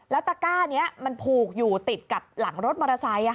แล้วตะก้านี้มันผูกอยู่ติดกับหลังรถมอเตอร์ไซค์